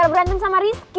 biar berantem sama rizky